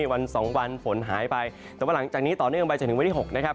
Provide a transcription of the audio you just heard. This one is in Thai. วัน๒วันฝนหายไปแต่ว่าหลังจากนี้ต่อเนื่องไปจนถึงวันที่๖นะครับ